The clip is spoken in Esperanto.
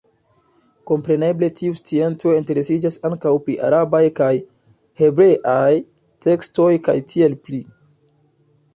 Kompreneble tiu scienco interesiĝas ankaŭ pri arabaj kaj hebreaj tekstoj kaj tiel pli.